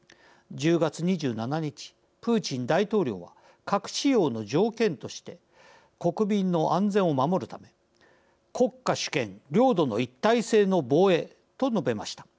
１０月２７日プーチン大統領は核使用の条件として「国民の安全を守るために国家主権領土の一体性の防衛」と述べました。